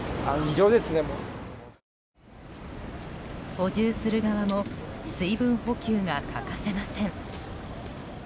補充する側も水分補給が欠かせません。